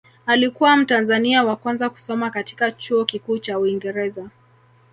Alikuwa mtanzania wa kwanza kusoma katika chuo kikuu cha Uingereza